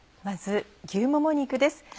まず牛もも肉です。